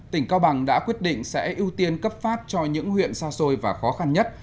tỉnh cao bằng đã quyết định sẽ ưu tiên cấp phát cho những huyện xa xôi và khó khăn nhất